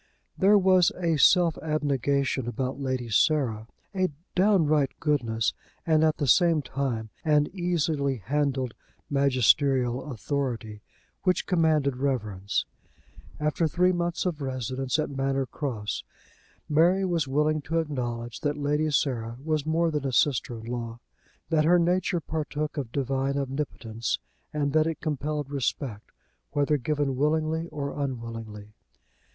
There was a self abnegation about Lady Sarah, a downright goodness, and at the same time an easily handled magisterial authority, which commanded reverence. After three months of residence at Manor Cross, Mary was willing to acknowledge that Lady Sarah was more than a sister in law, that her nature partook of divine omnipotence, and that it compelled respect, whether given willingly or unwillingly.